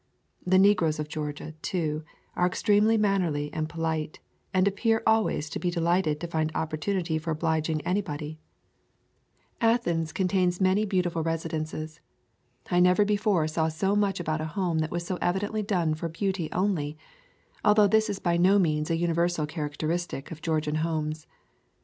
The negroes of Georgia, too, are extremely mannerly and po lite, and appear always to be delighted to find opportunity for obliging anybody. [ 83 ] A Thousand Mile Walk Athens contains many beautiful residences. I never before saw so much about a home that was so evidently done for beauty only, although this is by no means a universal characteristic of Georgian homes.